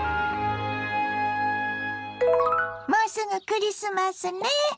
もうすぐクリスマスね。